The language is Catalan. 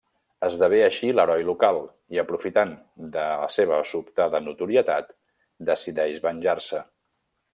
Esdevé així l'heroi local i, aprofitant de la seva sobtada notorietat, decideix venjar-se.